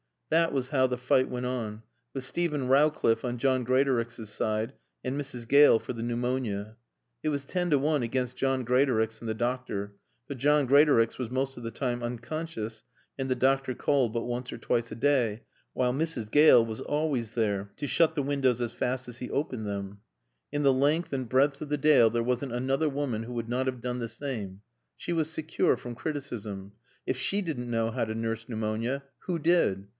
That was how the fight went on, with Steven Rowcliffe on John Greatorex's side and Mrs. Gale for the pneumonia. It was ten to one against John Greatorex and the doctor, for John Greatorex was most of the time unconscious and the doctor called but once or twice a day, while Mrs. Gale was always there to shut the windows as fast as he opened them. In the length and breadth of the Dale there wasn't another woman who would not have done the same. She was secure from criticism. If she didn't know how to nurse pneumonia, who did?